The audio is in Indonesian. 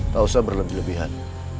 tak usah berlebih lebihan